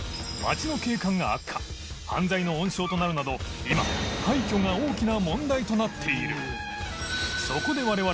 罪の温床となるなど廃墟が大きな問題となっている磴修海